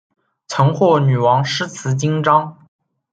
曾获女王诗词金章。